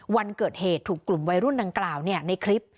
วันเกิดเหตุถูกกลุ่มวัยรุ่นดังกล่าวในคลิป